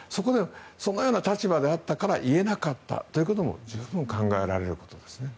そのような立場であったから言えなかったということも十分考えられることです。